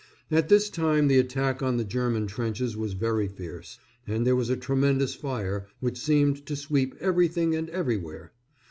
At this time the attack on the German trenches was very fierce, and there was a tremendous fire which seemed to sweep everything and everywhere.